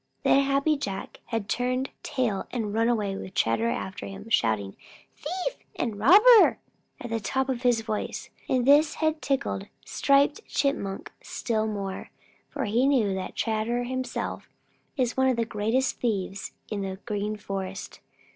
Then Happy Jack had turned tail and run away with Chatterer after him, shouting "Thief" and "Robber" at the top of his voice, and this had tickled Striped Chipmunk still more, for he knew that Chatterer himself is one of the greatest thieves in the Green Forest.